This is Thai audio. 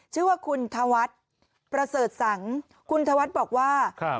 ชื่อว่าคุณธวัฒน์ประเสริฐสังคุณธวัฒน์บอกว่าครับ